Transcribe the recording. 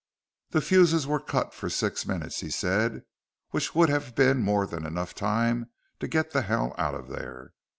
The fuses were cut for six minutes, he said, which would have been more than enough time to get the hell out of there.